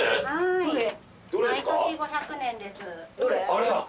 あれだ！